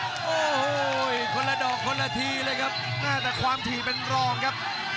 โอ้โหคนละดอกคนละทีเลยครับแต่ความถี่เป็นรองครับ